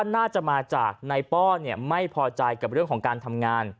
ในที่ทำงาน